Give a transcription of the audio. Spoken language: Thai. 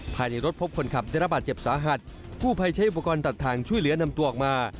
ภายในรถพบคนขับได้รับบาดเจ็บสาหัสผู้ภัยใช้อุปกรณ์ตัดทางช่วยเหลือนำตัวออกมา